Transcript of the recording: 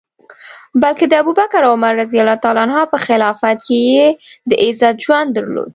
بلکه د ابوبکر او عمر رض په خلافت کي یې د عزت ژوند درلود.